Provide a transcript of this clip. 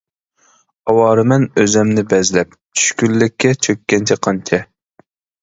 ئاۋارىمەن ئۆزۈمنى بەزلەپ، چۈشكۈنلۈككە چۆككەنچە قانچە.